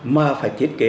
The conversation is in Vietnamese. mà phải thiết kế